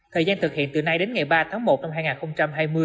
thời gian thực hiện từ nay đến ngày ba tháng một năm hai nghìn hai mươi